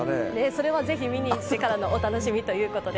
それはぜひ見に行ってからのお楽しみということで。